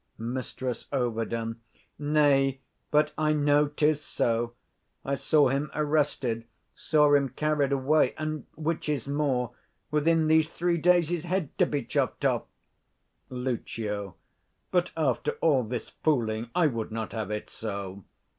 Mrs Ov. Nay, but I know 'tis so: I saw him arrested; saw him carried away; and, which is more, within these three days his head to be chopped off. 65 Lucio. But, after all this fooling, I would not have it so.